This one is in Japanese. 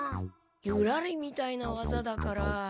「ユラリ」みたいなわざだから。